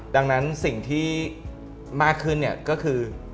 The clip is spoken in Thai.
ดังนั้นสิ่งที่มากขึ้นเนี่ยก็คือ